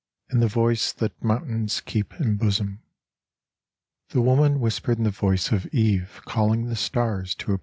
' In the voice that mountains keep in bosom. ' The woman whispered in the voice of eve calling the stars to appear :* My love